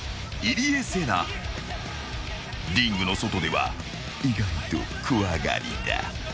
［リングの外では意外と怖がりだ］